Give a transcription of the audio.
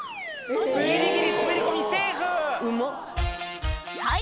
「ギリギリ滑り込みセーフ！」はい